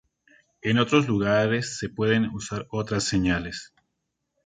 En otros lugares se pueden usar otras señales.